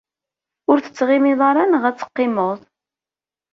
Ur tettɣimiḍ ara neɣ ad teqqimeḍ?